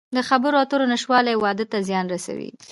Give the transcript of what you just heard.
د خبرو اترو نشتوالی واده ته زیان رسوي.